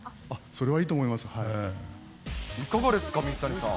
それはいいと思います。